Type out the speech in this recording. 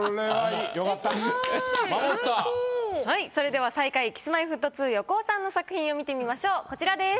はいそれでは最下位Ｋｉｓ−Ｍｙ−Ｆｔ２・横尾さんの作品を見てみましょうこちらです。